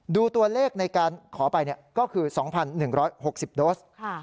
ดูตัวเลขในการขอไปก็คือ๒๑๖๐โดส